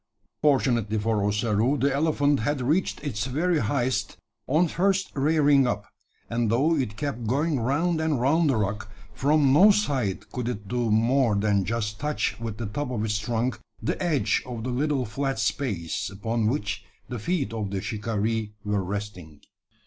Fortunately for Ossaroo, the elephant had reached its very highest on first rearing up; and though it kept going round and round the rock, from no side could it do more than just touch with the top of its trunk the edge of the little flat space, upon which the feet of the shikaree were resting.